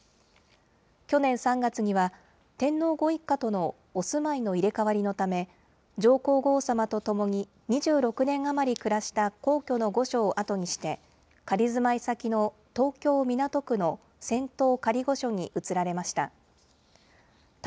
去年３月には、天皇ご一家とのお住まいの入れ代わりのため、上皇后さまと共に２６年余り暮らした皇居の御所をあとにして、仮住まい先の東京・港区の仙洞仮御所に移られました。